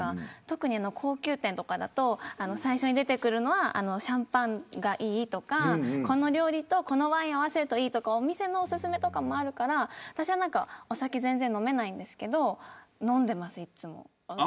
特に高級店とかだと最初に出てくるのはシャンパンがいいとかこの料理とこのワインを合わせるといいとかお店のおすすめもあるから、私はお酒、全然飲めないですけど飲んでます、いつも。